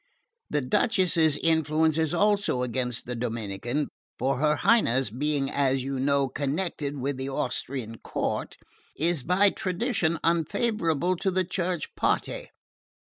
The duchess's influence is also against the Dominican, for her Highness, being, as you know, connected with the Austrian court, is by tradition unfavourable to the Church party.